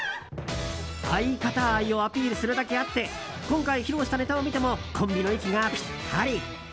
相方愛をアピールするだけあって今回披露したネタを見てもコンビの息がぴったり。